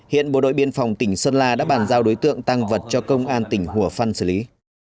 hiện bộ đội biên phòng tỉnh sơn la đã bàn giao đối tượng tăng vật cho công an tỉnh hùa phân xử lý